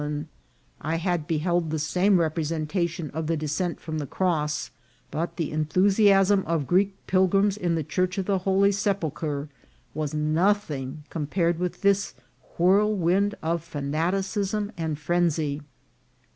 215 man, I had beheld the same representation of the de scent from the cross ; but the enthusiasm of Greek pil grims in the Church of the Holy Sepulchre was nothing compared with this whirlwind of fanaticism and phren sy.